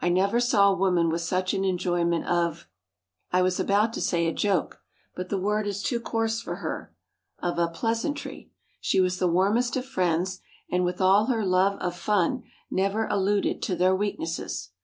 I never saw a woman with such an enjoyment of I was about to say a joke, but the word is too coarse for her of a pleasantry. She was the warmest of friends, and with all her love of fun never alluded to their weaknesses....